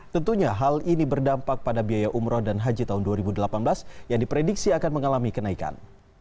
tentunya hal ini berdampak pada biaya umroh dan haji tahun dua ribu delapan belas yang diprediksi akan mengalami kenaikan